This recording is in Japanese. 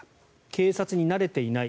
警察に慣れていない